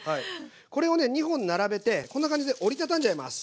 これをね２本並べてこんな感じで折り畳んじゃいます。